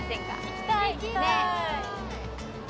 行きたい！